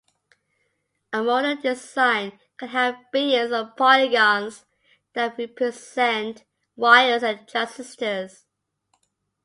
A modern design can have billions of polygons that represent wires and transistors.